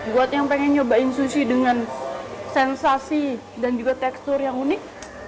buat yang pengen nyobain sushi dengan sensasi dan juga tekstur yang unik